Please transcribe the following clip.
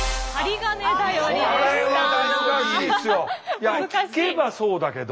いや聞けばそうだけど。